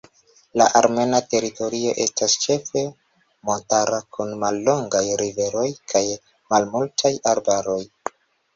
La armena teritorio estas ĉefe montara, kun mallongaj riveroj kaj malmultaj arbaroj.